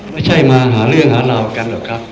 ไม่ใช่มาหาเรื่องหาลาวกัน